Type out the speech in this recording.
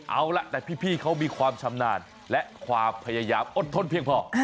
เอาล่ะแต่พี่เขามีความชำนาญและความพยายามอดทนเพียงพอ